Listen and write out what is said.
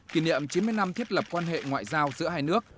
kỷ niệm chín mươi năm thiết lập quan hệ ngoại giao giữa hai nước